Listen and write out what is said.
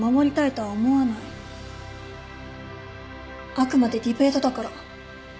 あくまでディベートだから。